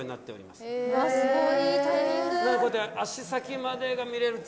すごい。